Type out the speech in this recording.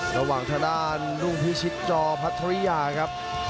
ระหว่างทะดานรุ่งพิชิตจอพัทธุริยาครับ